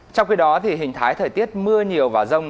trong khi đó hình thái thời tiết mưa nhiều và rông